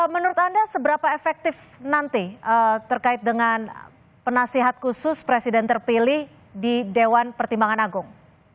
menurut anda seberapa efektif nanti terkait dengan penasihat khusus presiden terpilih di dewan pertimbangan agung